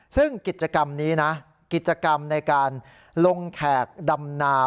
ซึ่งกิจกรรมนี้นะกิจกรรมในการลงแขกดำนา